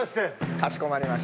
かしこまりました。